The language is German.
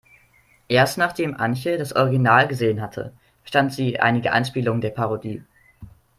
Erst nachdem Antje das Original gesehen hatte, verstand sie einige Anspielungen der Parodie.